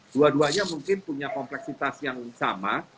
dua duanya mungkin punya kompleksitas yang sama